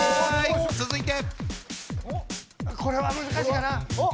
続いて。